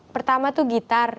pertama itu gitar